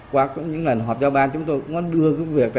qua những lần họp cho ban chúng tôi cũng đưa cái việc